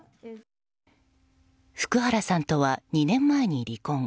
福原さんとは２年前に離婚。